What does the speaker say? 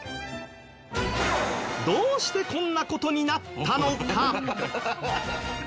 どうしてこんな事になったのか？